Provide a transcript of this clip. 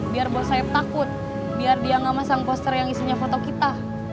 biar buat saya takut biar dia gak masang poster yang isinya foto kita